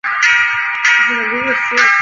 刘聪墓在山西省临汾市西南十一里。